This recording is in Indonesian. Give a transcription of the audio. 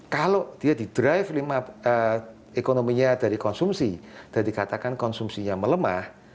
kalau dia di drive ekonominya dari konsumsi dan dikatakan konsumsinya melemah